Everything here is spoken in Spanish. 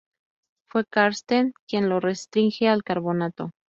Fue Karsten quien lo restringe al carbonato.